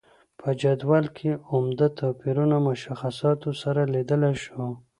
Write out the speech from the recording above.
په جدول کې عمده توپیرونه مشخصاتو سره لیدلای شو.